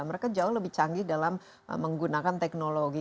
mereka jauh lebih canggih dalam menggunakan teknologi